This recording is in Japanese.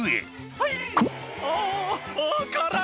「はい！